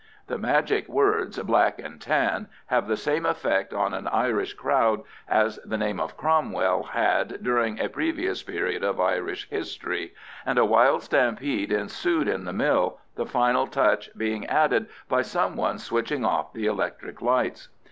The magic words "Black and Tan" have the same effect on an Irish crowd as the name of Cromwell had during a previous period of Irish history, and a wild stampede ensued in the mill, the final touch being added by some one switching off the electric lights.